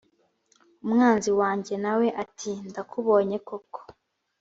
umwanzi wanjye na we ati ndakubonye koko